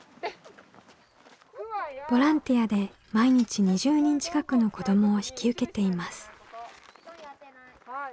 ボランティアで毎日２０人近くの子どもを引き受けています。